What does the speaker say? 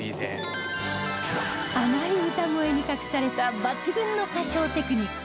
甘い歌声に隠された抜群の歌唱テクニック